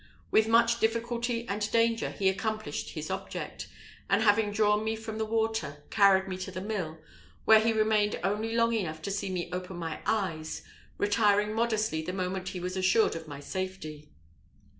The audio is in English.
With much difficulty and danger he accomplished his object, and having drawn me from the water, carried me to the mill, where he remained only long enough to see me open my eyes, retiring modestly the moment he was assured of my safety.